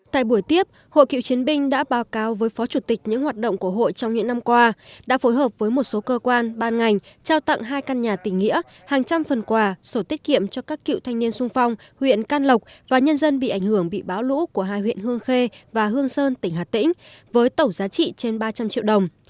tại buổi tiếp hội cựu chiến binh đã báo cáo với phó chủ tịch những hoạt động của hội trong những năm qua đã phối hợp với một số cơ quan ban ngành trao tặng hai căn nhà tỉnh nghĩa hàng trăm phần quà sổ tiết kiệm cho các cựu thanh niên sung phong huyện can lộc và nhân dân bị ảnh hưởng bị bão lũ của hai huyện hương khê và hương sơn tỉnh hà tĩnh với tổng giá trị trên ba trăm linh triệu đồng